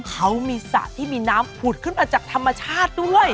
เขามีสระที่มีน้ำผุดขึ้นมาจากธรรมชาติด้วย